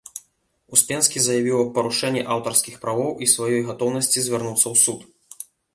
Успенскі заявіў аб парушэнні аўтарскіх правоў і сваёй гатоўнасці звярнуцца ў суд.